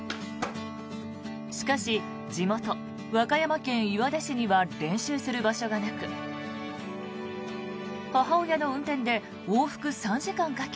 しかし地元・和歌山県岩出市には練習する場所がなく母親の運転で往復３時間かけ